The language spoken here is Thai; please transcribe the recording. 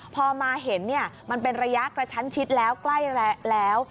พอมาเห็นมันเป็นระยะกระชั้นชิดแล้วใกล้แล้ว